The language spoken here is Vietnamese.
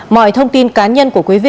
mọi thông tin cá nhân của quý vị